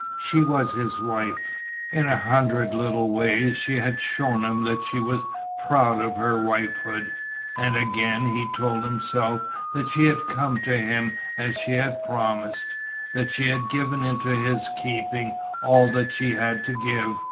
She was his wife. In a hundred little ways she had shown him that she was proud of her wifehood. And again he told himself that she had come to him as she had promised, that she had given into his keeping all that she had to give.